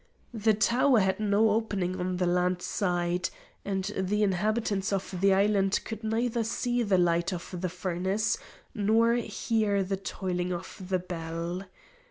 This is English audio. The tower had no opening on the land side, and the inhabitants of the island could neither see the light of the furnace nor hear the tolling of the bell.